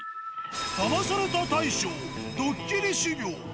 ダマされた大賞ドッキリ修行。